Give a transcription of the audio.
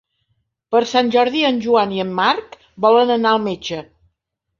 Per Sant Jordi en Joan i en Marc volen anar al metge.